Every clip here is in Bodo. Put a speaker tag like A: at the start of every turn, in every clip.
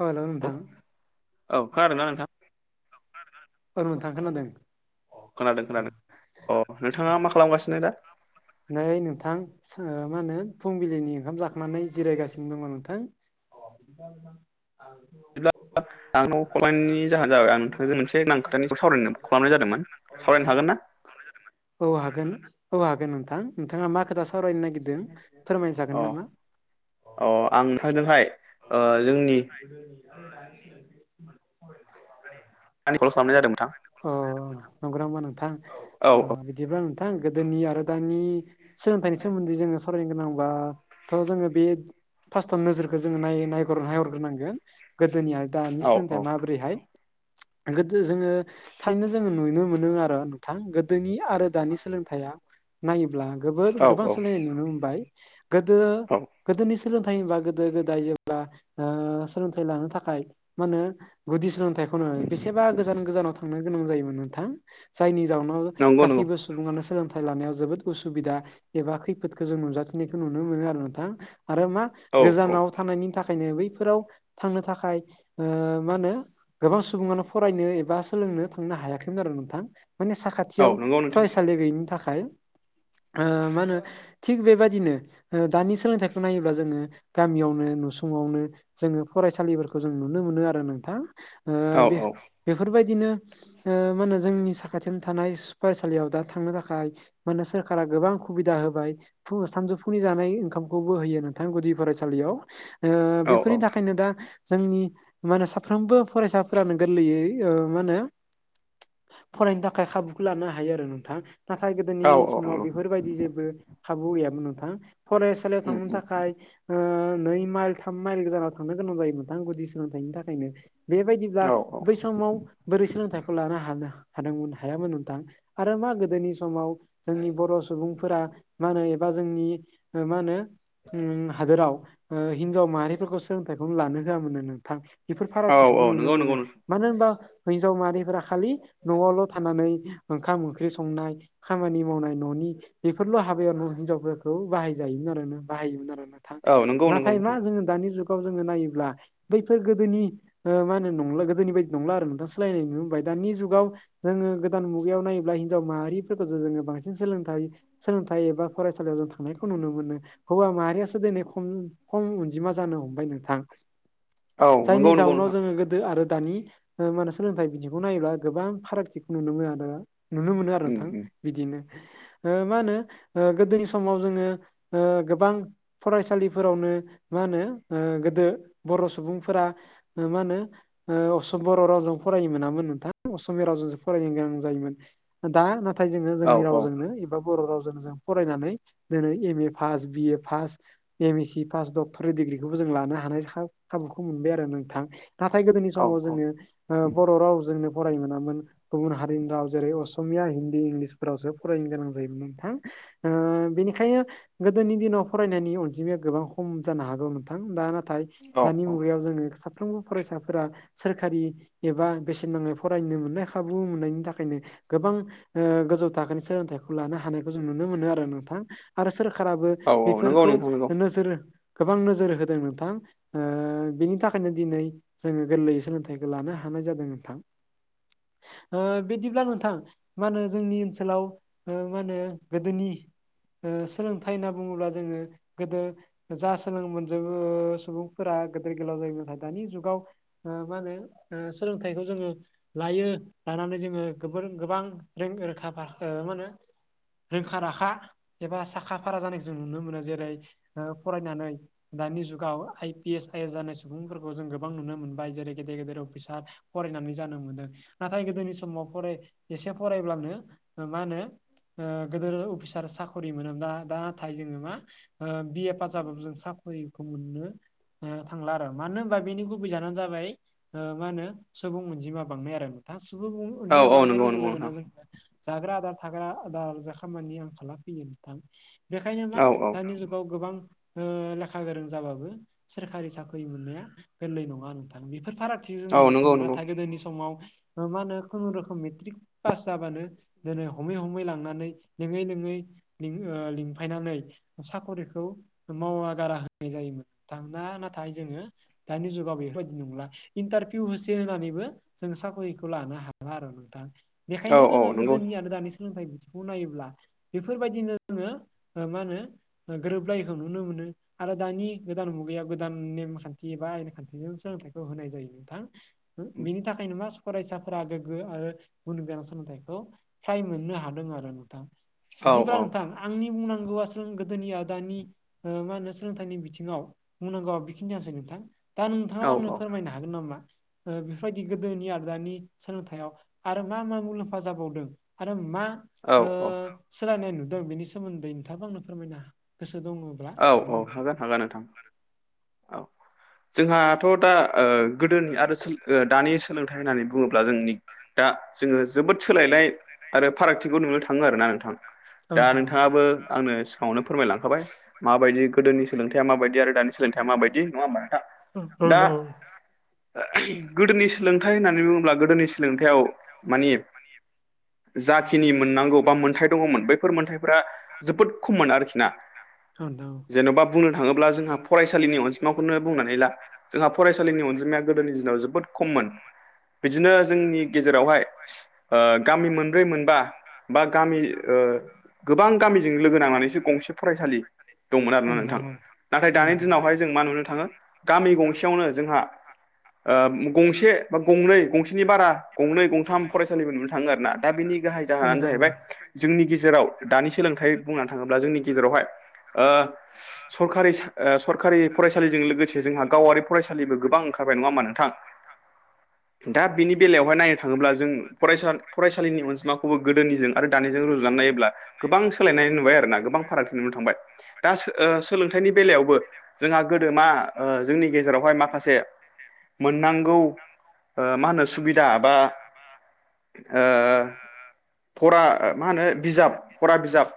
A: अ हेल'
B: औ
A: नोंथां
B: औ खोनादोंना नोंथां
A: औ नोंथां खोनादों।
B: खोनादों खोनादों अ नोंथाङा मा खालामगासिनो दा?
A: नै नोंथां मा होनो फुंबिलिनि ओंखाम जाखांनानै नानै जिरायगासिनो दङ नोंथां।
B: बिबदिब्ला आं खल हरनायनि जाहोना जाबाय आं नोंथांजों मोनसे गोनां खोथाखौ सावरायनो खालामनाय जादोंमोन। सावरायनो हागोन ना?
A: औ हागोन औ हागोन नोंथां नोंथाङा मा खोथा सान सावरायनो नागिरदों फोरमायनो
B: अ
A: जागोन नामा?
B: अ आं नोंथांजोंहाय ओ जोंनि
A: [unintelligible]
B: होननानै खल खालामनाय जादों नोंथां।
A: अ नंगौ नामा नोंथां
B: औ
A: बिदिब्ला ओ गोदोनि आरो दानि सोलोंथाइनि सोमोन्दै जोङो सावरायनो गोनांबाथ' जोङो बे फार्स्टआव नोजोर खौ जोङो नाय नाय नायहरग्रोनांगोन गोदोनिया दानि
B: औ
A: सोलोंथाइया
B: औ
A: माबोरैहाय? गोदो जोङो थारैनो जोङो नुनो मोनो आरो नोंथां गोदोनि आरो दानि सोलोंथाइया नायोब्ला गोबोर
B: औ
A: गोबां
B: औ
A: सोलोंनाय नुनो मोनबाय गोदो
B: औ
A: गोदोनि सोलोंथाइ होनबा गोदो गोदाय जेब्ला ओ सोलोंथाइ लानो थाखाय मा होनो गुदि सोलोंथाइखौनो बेसेबा गोजान गोजानाव था थांनो गोनां जायोमोन नोंथां जायनि जाउनाव
B: नंगौ नंगौ
A: गासैबो सु सुबुङानो सोलोंथाइ लानायाव जोबोद उसुबिदा एबा खैफोदखौ जों नुजाथिनायखौ नुनो मोनो आरो नोंथां आरो मा
B: औ औ
A: गोजानाव थानायनि थाखायनो बैफोराव थांनो थाखाय मा होनो गोबां सुबुङानो फरायनो एबा सोलोंनो थांनो हायाखैमोन आरो नोंथां माने
B: औ
A: साखाथियाव
B: नंगौ नोंथां
A: फरायसालि गैयिनि थाखाय। आ मा होनो? थिग बेबायदिनो दानि सोलोंथाइखौ नायोब्ला जोङो गामियावनो नुसुङावनो जोङो फरायसालिफोरखौ जों नुनो मोनो आरो नोंथां
B: औ
A: बे
B: औ
A: बेफोरबायदि बिदिनो मा होनो जोंनि साखाथियाव थानाय फरायसालियाव दा थांनो थाखाय माने सोरखारा गोबां सुबिदा होबाय फ सानजौफुनि जानाय ओंखामखौबो होयो नोंथां गुदि फरायसालियाव
B: औ
A: बेफोरनि थाखायनो दा जोंनि माो साफ्रोमबो फरायसाफोरानो गोरलैयै मा होनो फरायनो थाखाय खाबुखौ लानो हायो आरो नोंथां नाथाय गोदोनि
B: औ औ
A: समाव
B: नंगौ
A: बेफोरबायदि जेबो खाबु गैयामोन नोंथाङा फरेस्ट खालियाव
B: उम
A: थांनो
B: उम
A: थाखाय नै माइल थाम माइल गोजानाव थांनो गोनां जायोनथां गुदि सोलोंथाइनि थाखायनो बेबायदिब्ला
B: औ
A: बै समाव बोरै सोलोंथाइखौ लानो हानो हादोंमोन हायामोन नोंथां आरो मा गोदोनि समाव जोंनि बर' सुबुंफोरा मा होनो एबा जोंनि मा होनो हादोराव हिनजाव माहारिफोरखौ सोलोंथाइखौनो लानो होआमोन नोंथां बेफोर
B: औ
A: फारागथिखौबो
B: औ
A: नुनो
B: नंगौ
A: मोनो
B: नंगौ नोंथां
A: मानो होनबा हिनजाव माहारिफोरा खालि न'आवल' थानानै ओंखाम ओंख्रि संनाय खामानि मावनाय न'नि बेफोरल' हाबायाव हिनजावफोरखौ बाहायजायोमोन आरोोना बाहायोमोन आरोोना
B: औ नंगौ नंगौ
A: नाथाय मा
B: नोंथां
A: जोङो दानि जुगाव जोङो नायोब्ला बैफोर गोदोनि मा होनो नंला गोदोनि बायदि नंला आरो नोंथां सोलायनायुबाय दानि जुगाव जोङो गोदान मुगायाव नायोब्ला हिनजाव माहारिफोरखौ जो जोङो बांसिन सोलोंथाइ सोलोंथाइ एबा फरायसालियाव जों थांनायखौ नुनो मोनो हौवा माहारियासो दिनै ख खम अनजिमा जानो हमबाय नोंथां
B: [inaudible]
A: जायनि
B: नंगौ नंगौ
A: जाउनाव
B: नोंथां
A: जोङो गोदो आरो दानि मा होनो सोलोंथाइ बिथिंखौ नायोब्ला गोबां फारागथिखौ नुनो मोनो आरो नुनो मोनो आरो
B: उम
A: नोंथां
B: उम
A: बिदिनो मा होनो गोदोनि समाव जोङो गोबां फरायसालिफोरावनो मा होनो गोदो बर' सुबुंफोरा मा होनो अशक बर' रावजों फरायोम मोनामोन नोंथां असमिया रावजोंसो फरायनो गोनां जायोमोन दा न नाथाय जोङो
B: औ
A: जोंनि रावजोंनो एबा बर' रावजोंनो जों फरायनानै दिनै M A pass B A pass M A C pass डक्टरि डिग्रिखौबो जों लानो हानाय खाबुखौ मोनबाय आरो नोंथां नाथाय गोदोनि
B: औ
A: समाव
B: औ
A: जोङो बर' रावजोंनो फराय मोनामोन गुबुन हारिनि राव जेरै असमिया हिन्दी इंलिसफोरावसो फरायनो गोनां जायोमोन नोंथां बिनिखायनो गोदोनि दिनाव फरायनायनि अनजिमाया गोबां खम जानो हागौमोनथां दा नाथाय
B: औ
A: दानि मुगायाव जोङो साफ्रोमबो फरायसाफोरा सोरखारि एबा बेसेन नाङै फरायनो मोननाय खाबु मोननायनि थाखायनो गोबां गोजौ थाखोनि सोलोंथाइखौ लानो हानायखौ जों नुनो मोनो आरो नोंथां आरो सोरखाराबो
B: औ औ नंगौ
A: बेफोरखौ
B: नोंथां नंगौ
A: नोजोर गोबां नोजोर होदों नोंथां बिनि थाखायनो दिनै जोङो गोरलैयै सोलोंथाइखौ लानो हा हानाय जादों नोंथां बिदिब्ला नोंथां मा होनो जोंनि ओनसोलाव मा होनो गोदोनि सोलोंथाइ होनना बुङोब्ला जोङो गोदो जा सोलों मोनजोबो सुबुंफोरा गेदेर गोलाव जायो नाथाय दानि जुगाव मा होनो सोलोंथाइखौ जोङो लायो लानानै जोङो गो गोबां रोखा [unintelligible] होनो रोंखा राखा एबा साखा फारा जानायखौ जों नुनो मोनो जेरै फरायनानै दानि जुगाव आइ पि एस आइस जानाय सुबुंफोरखौ जों गोबां नुनो मोनो बायजोे गेदेर गेदेराव फरायनानै जानो मोनदों नाथाय गोदोनि समाव फराय एसे फरायब्लानो मा होनो गोदोर अफिसार साख'रि मोनोबा दा नाथाय जोङो मा बिए पास जाबाबो जों साख्रिखौ मोनो। थांला आरो मानो होनबा बेनि गुबै जानायानो जाबाय। मा होनो सुबुं अनजिमा बांनाय आरो नोंथां सुबुं
B: औ
A: अनजिमा
B: औ
A: बांनाय
B: नंगौ
A: लोगो
B: नंगौ नोंथां
A: लोगोनो जोङो। जाग्रा आदार थाग्रा आदार आलादा खामानि आंखाला फैयो नोंथां। बेखायनो मा
B: औ औ
A: दानि जुगाव गोबां। लेखा गोरों जाबाबो सोरखारि साख्रि मोननाया गोरलै नङा नोंथां बेफोर फाराग थि जों
B: औ
A: नुनो
B: नंगौ
A: मोनो
B: नंगौ
A: नाथाय गोदोनि समाव मा होनो खुनुरुखुम मेट्रिक पास जाबानो दिनै हमै हमै लांनानै लिङै लिङै लिं लिंफायनानै साख'रिखौ मावा गारा होनाय जायोमोनोना नाथाय जोङो। दानि जुगाव बे बायदि नंला। इन्टारभिउ होसे होनानैबो जों साखरिखौ लानो हागोन आरो नोंथां।
B: औ
A: बेखायनो
B: औ
A: जोङो
B: नंगौ
A: गोदोनि आरो दानि सोलोंथाइ बिथिंखौ नायोब्ला। बेफोरबायदिनो जोङो मा होनो गोरोबलायखौ नुनो मोनो। आरो दानि गोदान मुगायाव गोदान नेमखान्थि एबा आयेन खान्थिजों सोलोंथाइखौ होनाय जायो। नोंथां बेनि थाखायनो मा। फरायसाफोरा गोग्गो आरो गुन गोनां सोलोंथाइखौ फ्राय मोननो हादों आरो नोंथां।
B: औ
A: बिदिब्ला
B: औ
A: नोंथां आंनि बुंनांगौआसो गोदोनि आ दानि मा होनो सोलोंथाइनि बिथिङाव बुंनांगौ बेखिनि जानोासै नोंथां दा
B: औ
A: नोंथाङाबा आंनो फोरमायनो हागोन। हागोन नामा बेफोरबायदि गोदोनि आरो दानि सोलोंथाइयाव आरो मा मा मुलाम्फा जाबावदों आरो मा।
B: औ
A: ओ
B: औ।
A: सोलायनाय नुदों बेनि सोमोन्दै नोंथाबा आंनो फोरमायना गोसो दङ।
B: औ औ हागोन हागोन नोंथां औ। जोंहाथ' दा गोदोनि आरो दानि सोलोंथाइ होननानै बुङोब्ला जोंनि दा जोङो जोबोद सोलायलाय आरो फारागथिखौ नुनो थाङो आरोना नोंथां।
A: औ
B: दा
A: नोंथां औ
B: नोंथाङाबो आंनो सिगाङावनो फोरमायलांखाबाय माबायदि गोदोनि सोलोंथाइया माबायदि आरो दानि सोलोंथाइया माबायदि नङा होमबा नोंथां
A: औ
B: दा
A: नोंथां औ
B: [inaudible] गोदोनि सोलोंथाइ होननानै बुङोब्ला गोदोनि सोलोंथाइयाव मानि
A: मानि
B: जाखिनि मोननांगौ बा मोन्थाय दङमोन बैफोर मोन्थायफोरा जोबोद खममोन आरोखि ना।
A: औ नोंथां
B: जेनेबा बुंनो थाङोब्ला जोंहा फरायसालिनि अनजिमाखौनो बुंनानै ला। जोंहा फरायसालिनि अनजिमाया गोदोनि दिनाव जोबोद खममोन। बिदिनो जोंनि गेजेरावहाय गामि मोनब्रै मोनबा बा गामि गोबां गामिजों लोगो नांनानैसो गंसे फरायसालि मोन आरोना नोंथां
A: औ
B: नाथाय
A: औ
B: दानि
A: नोंथां
B: दिनावहाय जों मा नुनो थाङो गामि गंसेयावनो जोंहा [unintelligible] गंसे बा गंनै गंसेनि बारा गंनै गंथाम फरायसालिफोर नुनो थाङो आरोना दा बेनि गाहाय। जाहोनानो जाहैबाय जोंनि गेजेराव दानि सोलोंथाइ बुंनो थाङोब्ला जोंनि गेजेरावहाय ओ। सरकारि सरकारि फरायसालिजों लोगोसे जोंहा गावारि फरायसालिबो गोबां ओंखारबाय नङामा नोंथां।
A: [inaudible]
B: दा बिनि बेलायावहाय नायनो थाङोब्ला जों फसा फरायसालिनि अनजिमाखौबो गोदोनिजों आरो दानिजों रुजनानै नायोब्ला। गोबां सोलायनाय नुबाय आरो ना गोबां फारागथि नुनो थांबाय। दा सोलोंथाइनि बेलायावबो जोंहा गोदो मा जोंनि गेजेरावहाय माखासे मोननांगौ मा होनो सुबिदा बा फरा मा होनो बिजाब फरा बिजाब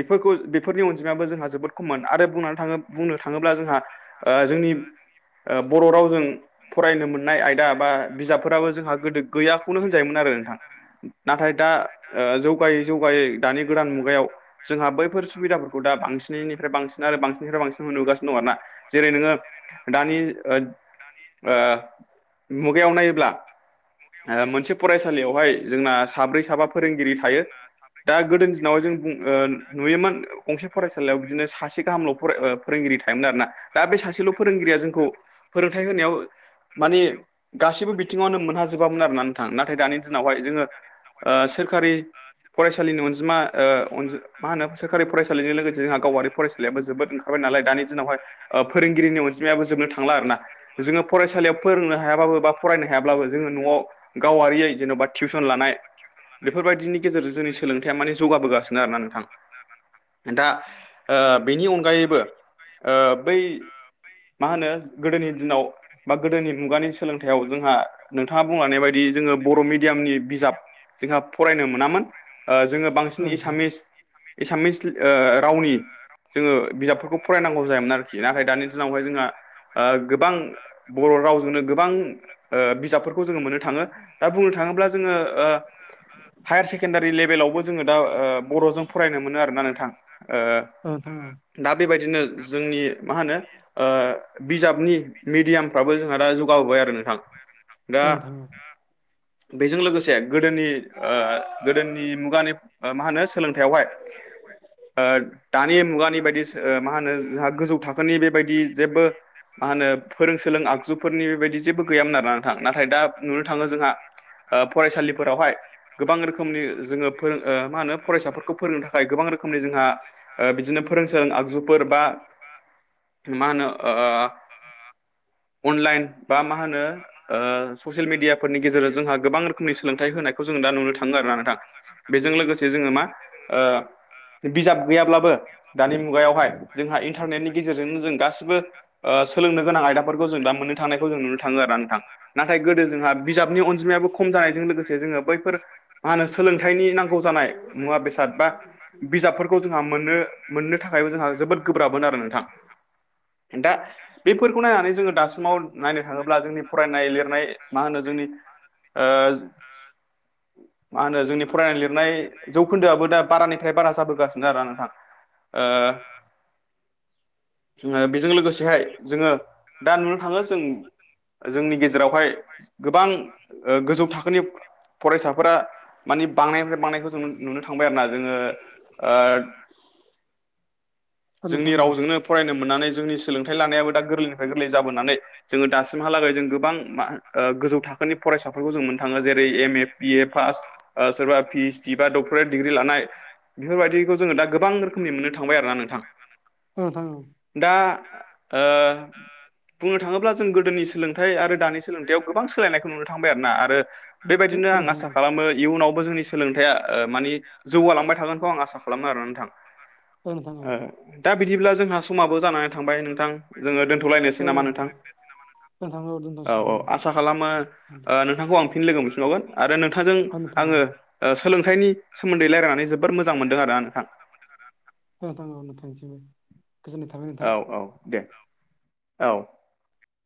B: बेफोरखौ बेफोरनि अनजिमायाबो जोंहा जोबोद खममोन आरो बुं थाङ बुंनो थाङोब्ला जोंहा ओ जोंनि ओ बर' रावजों फरायनो मोन नाय आयदा बा बिजाबफोराबो जोंहा गोदो गैयाखौनो होनजायोमोन आरो नोंथां नाथाय ओ दा जौगायै जौगायै दानि गोदान मुगायाव जोंहा बैफोर सुबिदाफोरखौ दा बांसिननैनिफ्राय बांसिन आरो बांसिननिफ्राय बांसिनो नुगासिनो दं आर ना जेरै नोङो दानि ओ
A: दानि [unintelligible]
B: ओ मुगायाव नायोब्ला मोनसे फरायसालियावहाय जोंना साब्रै साबा फोरोंगिरि थायो दा गोदोनि दिनावहाय जों बुं ओ नुयोमोन गंसे फरायसालियाव बिदिनो सासे गाहामल' फ फोरोंगिरि थायोमोन आरो ना दा बे सासेल' फोरोंगिरिया जोंखौ फोरोंथाय होनायाव
A: सोंलोंथाय
B: माने
A: होनायाव
B: गासैबो बिथिङावनो मोनहाजोबामोन आरोना नोंथां नाथाय दानि दिनावहाय जोङो सोरखारि फरायसालिनि अनजिमा अनि मा होनो सोरखारि फरायसालिजों लोगोसे जोंहा गावारि फरायसालियाबो जोबोद ओंखारबाय नाल दानि दिनावहाय फोरोंगिरिनि अनजिमायाबो जोबनो थांला आर ना जोङो फरायसालियाव फोरोंनो हायाबाबो बा फरायनो हायाब्लाो जोङो न'आव गावारियै जेन'बा टिउसन लानाय बेफोरबायदिनि गेजेरजों जोंनि सोलोंथाइया माने जौगाबोगासिनो आरो ना नोंथां
A: [unintelligible]
B: दा बेनि अनगायैबो बै मा होनो गोदोनि दिनाव बा गोदोनि मुगानि सोलोंथाइयाव जोंहा नोंथाङा बुंलांनाय बायदि जोङो बर' मिडियामनि बिजाब जोंहा फरायनो मोनामोन जोङो
A: औ
B: बांसिन
A: नोंथां औ
B: एसामिस एसामिस रावनि जोङो बिजाबफोरखौ फरायनांगौ जायोमोन आरोखि नाथाय दानि दिनावहाय जोंहा गोबां बर' रावजोंनो गोबां बिजाबफोरखौ जोङो मोननो थाङो दा बुंनो थाङोब्ला जोङो हायार सेकेण्डारि लेेबेलावबो जोङो दा बर'जों फरायनो मोनो आरोना नोंथां
A: औ नोंथां औ
B: दा बेबायदिनो जोंनि मा होनो बिजाबनि मेडियामफ्राबो जोंहा दा जौगाबोबाय आरो नोंथां दा
A: औ नोंथां
B: बेजों लोगोसे गोदोनि गोदोनि मुगानि मा होनो सोलों बे दानि मुगानि बायदि मा होनो जोंहा गोजौ थाखोनि बेबायदि जेबो मा होनो फोरों सोलों आगजुफोरनि बेबायदि जेबो गैयामोन आरो नोंथां नाथाय दा नुनो थाङो जोंहा
A: थाय
B: फरायसालि
A: फरायसालिफोरावहाय गोबां रोखोमनि
B: खौ फोरोंनो थाखाय गोबां रोखोमनि जोंहा ओ बिदिनो फोरोंसोलों आगजुफोर बा मा होनो अनलाइन बा मा होनो ओ ससियेल मिडिया फोरनि गेजेरजों जोंहा गोबां रोखोमनि सोलोंथाइ होनायखौ जों दा नुनो थाङो आरोना नोंथां बेजों लोगोसे जोङो मा बिजाब गैयाब्लाबो दानि मुगायावहाय जोंहा इन्टारनेटनि गेजेरजोंनो जों गासिबो ओ सोलोंनो गोनां आयदाफोरखौ जों दा मोननो थांनायखौ जों नुनो थाङो आरो नोंथां नाथाय गोदो जोंहा बिजाबनि अनजिमायाबो खम जानायजों लोगोसे जोङो बैफोर मा होनो सोलोंथाइनि नांगौ जानाय मुवा बेसे बा बिजाबफोरखौ जोंहा मोन मोननो थाखायबो जोंहा जोबोद गोब्राबमोन आरो नोंथां दा बेफोरखौ नायनानै जोङो दासिमाव नायनो थाङोब्ला जोंनि फरायनाय लिरनाय मा होनो जोंनि ओ मा होनो जोंनि फरायनाय लिरनाय जौखोन्दोआबो दा बारानिफ्राय बारा जाबोगासिनो आरो नोंथां ओ जोङो बेजों लोगोसेहाय जोंनि गेजेरावहाय गोबां गोजौ थाखोनि फरायसाफोरा माने बांनायनिफ्राय बांनायखौ जों नुनो थां आरोना जोङो
A: ओ
B: जोंनि
A: नोंथां औ
B: रावजोंनो फरायनो मोननानै जोंनि सोलोंथाइ लानायाबो गोरलैनिफाय गोरलै जाबोनानै जोङो दासिमहालागै जों गोबां मा ओ गोजौ थाखो नि फरायसाफोरखौ जों मोननो थाङो जेरै M A B A pass ओ सोरबा पिओइस डि बा डक डिग्रि लानाय बेफोरबायदिखौ जोङो दा गोबां रोखोमनि मोननो थांबाय आरोना नोंथां
A: औ थां ओ
B: दा ओ बुंनो थाङोब्ला जों गोदोनि सोलोंथाइ आरो दानि सोलोंथाइआव गोबां सोलायनायखौ नुनो थांबाय आरो ना आरो बेबायदिनो
A: आरो ओ
B: आं आसा खालामो इयुनावबो जोंनि सोलोंथाइया ओ मानि
A: नि सोलोंथाइया
B: जौगालांबाय थागोनखौ आं
A: माने
B: आसा खालामो
A: जौगालांबाय
B: आरोना नोंथां
A: औ नोंथां
B: ओ
A: औ
B: दा बिदिब्ला जोंहा समाबो जानानै थांबाय नोंथां जोङो दोन्थ'लायनोसै नामा नोंथां
A: नोंथां
B: औ
A: दोनथ'सै दे
B: औ
A: नोंथां
B: आसा खालामो
A: ओं दे
B: नोंथांखौ आं फिन लोगो मोनफिनबावगोन आरो नोंथांजों आङो ओ सोलोंथाइनि
A: आङो
B: सोमोन्दै
A: सोलोंथाइनि
B: रायलायनानै जोबोद मोजां
A: सोमोन्दै
B: मोनदों आरोना
A: रायलायनानै
B: नोंथां
A: जोबोर मोजां मोनदों आरोना नोंथां नोंथांनिसिमबो गोजोननाय थाबाय नों
B: औ औ दे औ